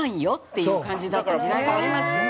っていう感じだった時代がありますよ。